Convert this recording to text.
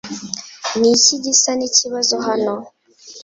Niki gisa nikibazo hano